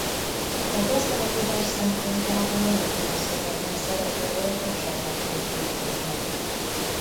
A gazdálkodás szempontjából nélkülözhetetlen szerepe volt a saját földbirtoknak.